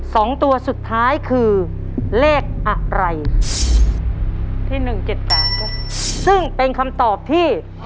สองตัวสุดท้ายคือเลขอะไรที่หนึ่งเจ็ดสามซึ่งเป็นคำตอบที่